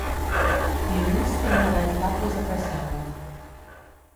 Dionís era la deïtat més apreciada.